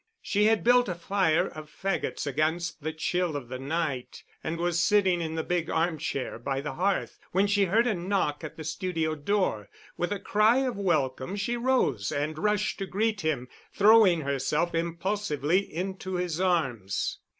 She had built a fire of fagots against the chill of the night and was sitting in the big armchair by the hearth when she heard a knock at the studio door. With a cry of welcome she rose and rushed to greet him, throwing herself impulsively into his arms.